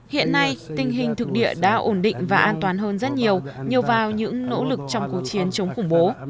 hiện nay tình hình thực địa đã ổn định và an toàn hơn rất nhiều nhiều vào những nỗ lực trong cuộc chiến chống khủng bố